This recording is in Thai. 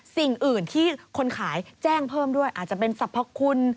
สิ่งอื่นที่คนขายแจ้งเพิ่มด้วยอาจจะเป็นสรรพคุณ